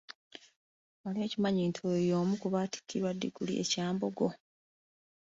Wali okimanyi nti oyo omu ku baatikkirwa ddiguli e Kyambogo?